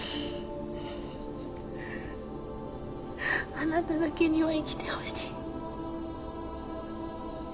あなただけには生きてほしい。